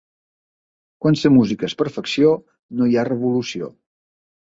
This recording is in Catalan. Quan la música és perfecció, no hi ha revolució.